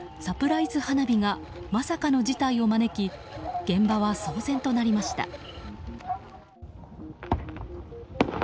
サプライズ花火がまさかの事態を招き現場は騒然となりました。